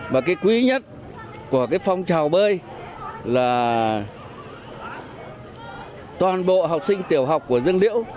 và cái quý nhất của cái phong trào bơi là toàn bộ học sinh tiểu học của dương liễu